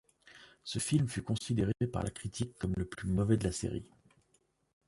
Ce film fut considéré par la critique comme le plus mauvais de la série.